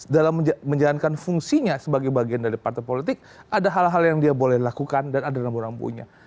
dalam menjalankan fungsinya sebagai bagian dari partai politik ada hal hal yang dia boleh lakukan dan ada yang orang punya